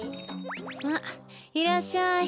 あっいらっしゃい。